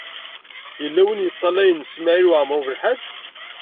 Yella win i yeṭṭalayen Smawil Waɛmaṛ U Belḥaǧ.